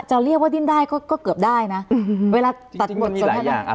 จะเรียกว่าดิ้นได้ก็เกือบได้นะเวลาตัดหมดสนทนา